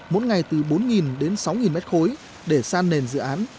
một ngày từ bốn đến sáu m ba để san nền dự án